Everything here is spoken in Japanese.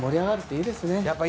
いいですね。